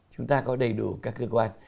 chúng ta có đầy đủ các cơ quan